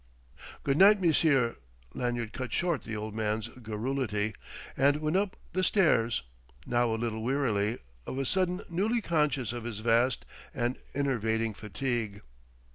"Good night, monsieur," Lanyard cut short the old man's garrulity; and went on up the stairs, now a little wearily, of a sudden newly conscious of his vast and enervating fatigue.